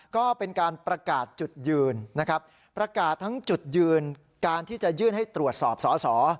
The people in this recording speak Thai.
ก็เป็นการประกาศจุดยืนนะครับประกาศทั้งจุดยืนการที่จะยื่นให้ตรวจสอบสอสอ